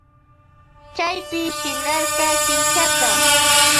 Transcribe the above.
Chaypi shinarka kinchata.